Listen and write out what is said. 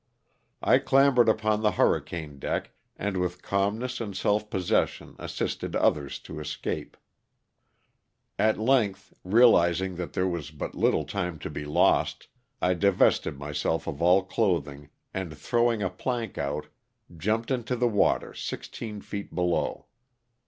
I clambered upon the hurricane deck and with calmness and self possession assisted others to escape. At length, realizing that there was but little time to be lost, I divested myself of all cloth ing, and throwing a plank out, jumped into the water sixteen feet below.